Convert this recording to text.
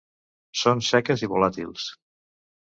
Són seques i volàtils.